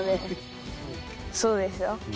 そうですよ。